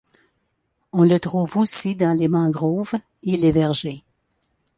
On le trouve aussi dans les mangroves et les vergers.